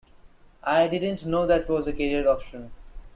I didn't know that was a career option..